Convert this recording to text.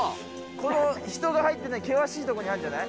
この人が入ってない険しいとこにあるんじゃない。